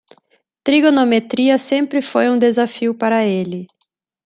Trigonometria sempre foi um desafio para ele.